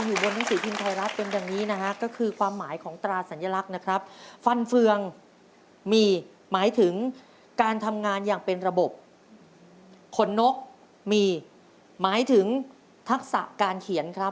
ถูกถูกถูกถูกถูก